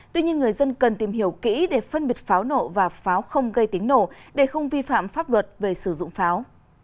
tuy nhiên người dân cần tìm hiểu kỹ để phân biệt pháo nổ và pháo không gây tiếng nổ để không vi phạm pháp luật về sử dụng pháo